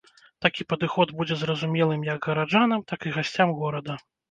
Такі падыход будзе зразумелым як гараджанам, так і гасцям горада.